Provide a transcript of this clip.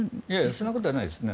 そんなことはないですね。